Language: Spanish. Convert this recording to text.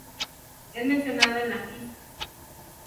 Es mencionado en la "Hist.